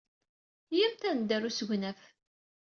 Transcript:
Iyyamt ad neddu ɣer usegnaf.